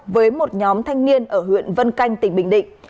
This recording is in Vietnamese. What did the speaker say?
với một nhóm thanh niên ở huyện vân canh tỉnh bình định